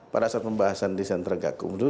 pada saat pembahasan di sentra gakumdu